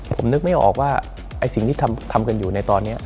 ผมนึกไม่ออกว่าไอ้สิ่งที่ทำกันอยู่ในตอนนี้